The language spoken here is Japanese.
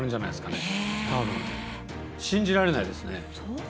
信じられないですね。